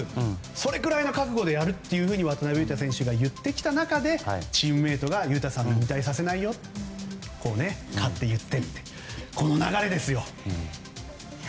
それぐらいの覚悟でやると渡邊雄太選手が言ってきた中でチームメートが雄太さんを引退させないよと言って勝っていきこの流れですよ。